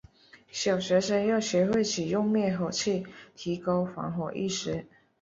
小学生要学会使用灭火器，提高防火意识。